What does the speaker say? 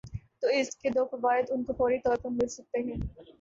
تو اس کے دو فوائد ان کو فوری طور پر مل سکتے ہیں۔